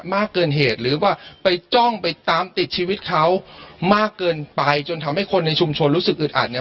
มากเกินเหตุหรือว่าไปจ้องไปตามติดชีวิตเขามากเกินไปจนทำให้คนในชุมชนรู้สึกอึดอัดเนี่ย